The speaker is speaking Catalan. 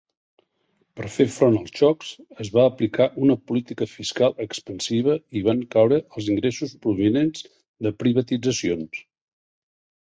Per fer front als xocs, es va aplicar una política fiscal expansiva i van caure els ingressos provinents de privatitzacions.